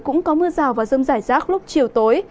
cũng có mưa rào và rông rải rác lúc chiều tối